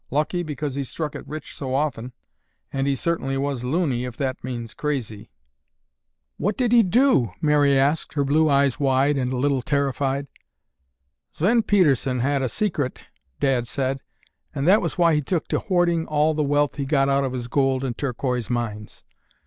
Lucky because he struck it rich so often, and he certainly was 'loony' if that means crazy." "What did he do?" Mary asked, her blue eyes wide and a little terrified. "Sven Pedersen had a secret—Dad said—and that was why he took to hoarding all the wealth he got out of his gold and turquoise mines.